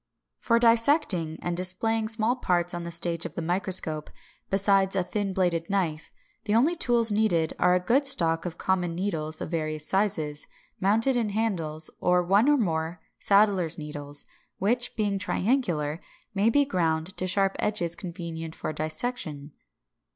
572. For dissecting and displaying small parts on the stage of the microscope, besides a thin bladed knife, the only tools needed are a good stock of common needles of various sizes, mounted in handles, and one or more saddler's needles, which, being triangular, may be ground to sharp edges convenient for dissection.